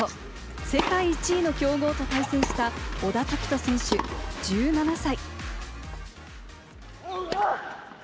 世界１位の強豪と対戦した小田凱人選手、１７歳。